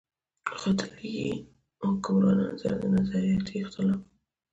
خو د ليګي حکمرانانو سره د نظرياتي اختلاف